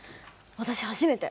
私初めて。